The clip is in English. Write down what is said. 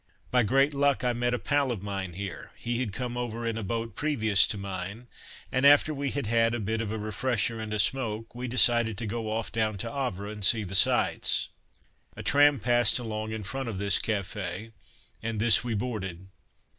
By great luck I met a pal of mine here; he had come over in a boat previous to mine, and after we had had a bit of a refresher and a smoke we decided to go off down to Havre and see the sights. A tram passed along in front of this café, and this we boarded.